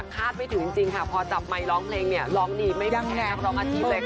ไม่ถึงจริงค่ะพอจับไมค์ร้องเพลงเนี่ยร้องดีไม่ได้แพ้ร้องอาชีพเลยค่ะ